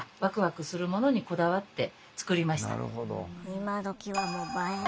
今どきはもう映え。